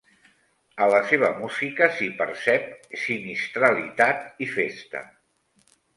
A la seva música s'hi percep sinistralitat i festa.